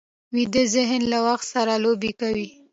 ویده ذهن له وخت سره لوبې کوي